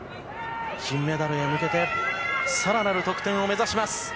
金メダルへ向けて更なる得点を目指します。